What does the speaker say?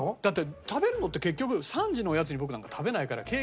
だって食べるのって結局３時のおやつに僕なんか食べないから。